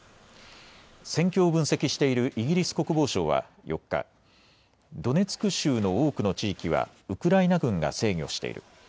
戦況を分析しているイギリス国防省は４日、ドネツク州の多くの地域はウクライナ軍が制御している。